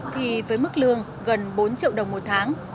thì với mức lương gần bốn triệu đồng một tháng